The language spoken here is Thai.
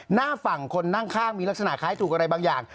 หน้าฝั่งคนนั่งข้างมีลักษณะคล้ายถูกอะไรบางอย่าง